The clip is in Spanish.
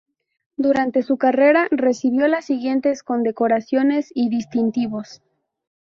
Durante su carrera recibió las siguientes condecoraciones y distintivos.